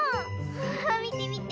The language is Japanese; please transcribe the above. みてみて。